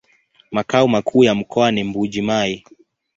Makao makuu ya mkoa ni Mbuji-Mayi.